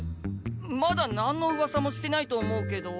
まだ何のうわさもしてないと思うけど。